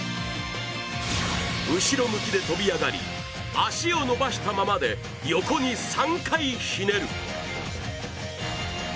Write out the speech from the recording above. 後ろ向きで飛び上がり、足を伸ばしたままで横に３回ひねる。